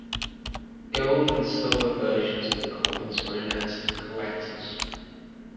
Gold and silver versions of the coins were announced for collectors.